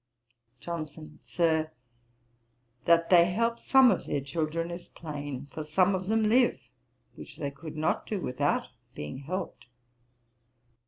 JOHNSON. 'Sir, that they help some of their children is plain; for some of them live, which they could not do without being helped.'